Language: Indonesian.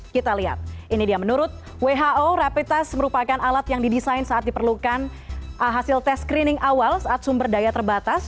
kita lihat ini dia menurut who rapid test merupakan alat yang didesain saat diperlukan hasil tes screening awal saat sumber daya terbatas